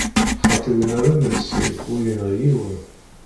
Xaṭi, winna d amelsi, ur yenɣi yiwen.